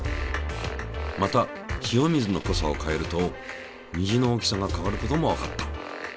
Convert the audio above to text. また塩水の濃さを変えると虹の大きさが変わることもわかった。